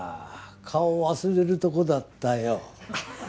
顔を忘れるところだったよ。